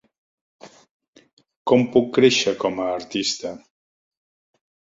Com puc créixer com a artista?